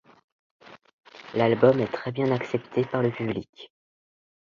L'album est très bien accepté par le public.